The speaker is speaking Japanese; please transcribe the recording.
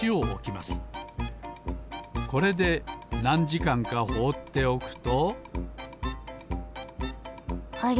これでなんじかんかほうっておくとあれ？